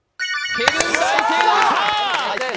ケルン大聖堂、正解。